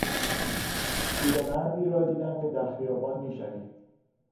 پیرمردی را دیدم که در خیابان میشلید.